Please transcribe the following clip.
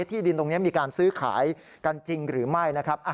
ที่ดินตรงนี้มีการซื้อขายกันจริงหรือไม่นะครับ